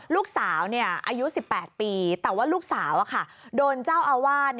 ลูกสาวอายุ๑๘ปีแต่ว่าลูกสาวโดนเจ้าอาวาส